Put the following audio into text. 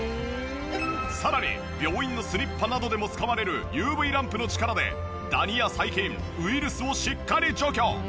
さらに病院のスリッパなどでも使われるＵＶランプの力でダニや細菌ウイルスをしっかり除去。